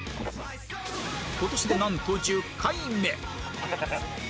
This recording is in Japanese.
今年でなんと１０回目